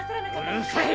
うるさい！